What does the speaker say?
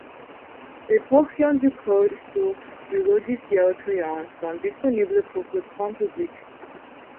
Des portions du code source du logiciel client sont disponibles pour le grand public.